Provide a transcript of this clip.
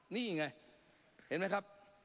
นี่ไงเห็นมั้ยครับ